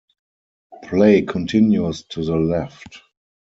Play continues to the left.